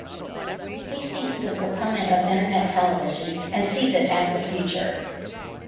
Hastings is a proponent of Internet television and sees it as the future.